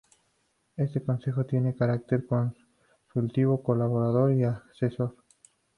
Este consejo tiene carácter consultivo, colaborador y asesor.